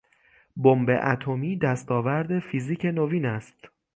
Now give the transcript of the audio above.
بمب اتمی دستاورد فیزیک نوین است.